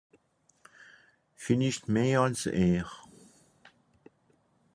Villicht meh àls ìhr.